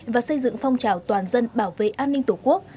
và xây dựng phong trào toàn dân bảo vệ an ninh tổ quốc